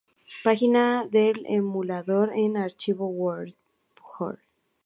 Página del emulador en archive.org